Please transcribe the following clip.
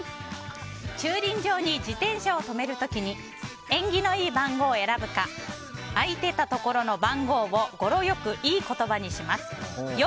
駐輪場に自転車を止める時に縁起のいい番号を選ぶか空いてたところの番号を語呂良くいい言葉にします。